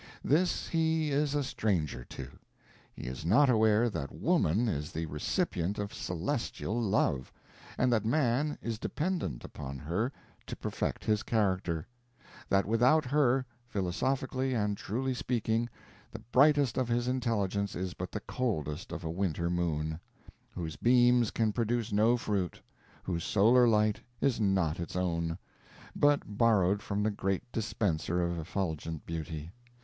This he is a stranger to; he is not aware that woman is the recipient of celestial love, and that man is dependent upon her to perfect his character; that without her, philosophically and truly speaking, the brightest of his intelligence is but the coldness of a winter moon, whose beams can produce no fruit, whose solar light is not its own, but borrowed from the great dispenser of effulgent beauty.